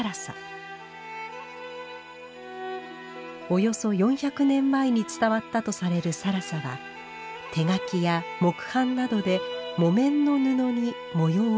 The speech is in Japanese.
およそ４００年前に伝わったとされる更紗は手描きや木版などで木綿の布に模様を染め出したもの。